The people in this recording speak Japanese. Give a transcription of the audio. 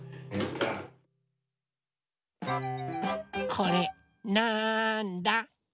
これなんだ？